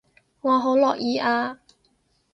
我好樂意啊